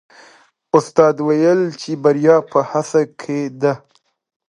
استاد وویل چې بریا په هڅه کې ده.